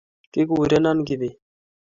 kigureo kIbet